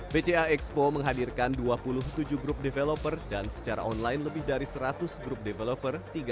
bca expo menghadirkan dua puluh tujuh grup developer dan secara online lebih dari seratus grup developer